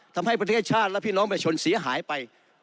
ทำให้ประเทศชาติและพี่น้องประชาชนเสียหายไป